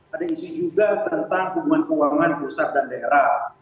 ada isu juga tentang hubungan keuangan pusat dan daerah